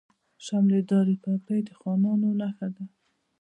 شملې دارې پګړۍ د خانانو نښه ده.